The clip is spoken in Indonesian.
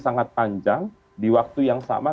sangat panjang di waktu yang sama